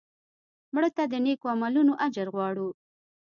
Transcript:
مړه ته د نیکو عملونو اجر غواړو